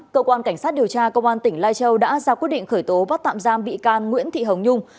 cơ quan cảnh sát điều tra công an tỉnh lai châu đã ra quyết định khởi tố bắt tạm giam bị can nguyễn thị hồng nhung